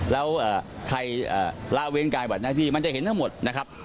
แล้วใครละเว้นการบัดหน้าที่มันจะเห็นทั้งหมดนะครับ